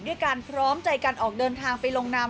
ด้วยการพร้อมใจการออกเดินทางไปลงนาม